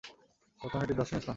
বর্তমানে এটি দর্শনীয় স্থান।